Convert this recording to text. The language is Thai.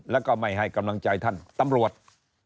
แล้วก็ไม่ให้กำลังใจท่านตำรวจ